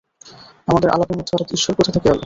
আমাদের আলাপের মধ্যে হঠাৎ ঈশ্বর কোথা থেকে এলো?